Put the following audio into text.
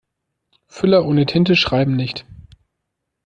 Füller ohne Tinte schreiben nicht.